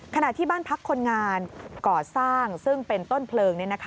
ขณะที่บ้านพักคนงานก่อสร้างซึ่งเป็นต้นเพลิง